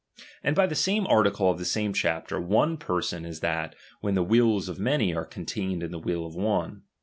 And by the same article of the same chap teTj one person is tbat, when the wills of many are contained in the will of one.